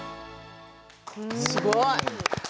すごい。